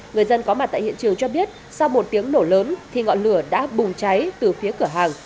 người dân có mặt tại hiện trường cho biết sau một tiếng nổ lớn thì ngọn lửa đã bùng cháy từ phía cửa hàng